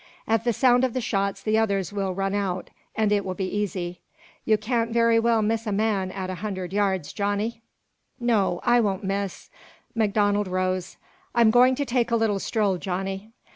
At the sound of the shots the others will run out, and it will be easy. Yo' can't very well miss a man at a hunderd yards, Johnny?" "No, I won't miss." MacDonald rose. "I'm goin' to take a little stroll, Johnny."